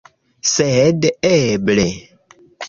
Sed eble...